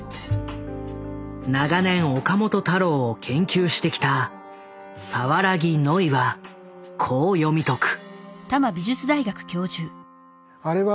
長年岡本太郎を研究してきた椹木野衣はこう読み解く。